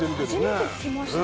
初めて聞きました。